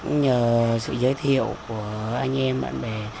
nhờ sự giới thiệu của anh em bạn bè